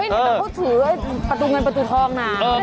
พูดถือประตูเงินประตูทองนาน